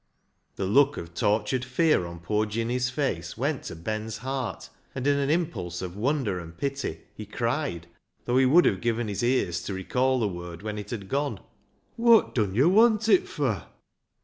The look of tortured fear on poor Jinny's face went to Ben's heart, and in an impulse of wonder and pity he cried, though he would have given his ears to recall the word when it had gone — "Wot dun yo' want it fur?